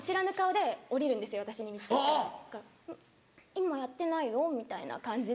今やってないよ」みたいな感じで。